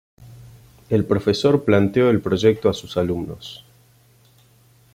El profesor planteó el proyecto a sus alumnos.